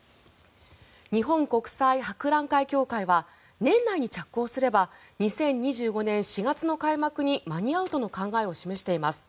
日本国際博覧会協会は年内に着工すれば２０２５年４月の開幕に間に合うとの考えを示しています。